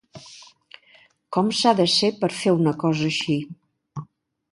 Com s'ha de ser per fer una cosa així?